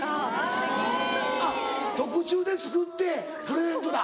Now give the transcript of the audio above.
・すてき・特注で作ってプレゼントだ。